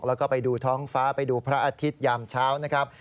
แล้วก็ไปดูท้องฟ้าไปดูพระอาทิตยามเช้านะครับ